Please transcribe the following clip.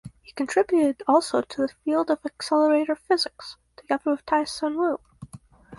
He contributed also to the field of accelerator physics together with Tai Tsun Wu.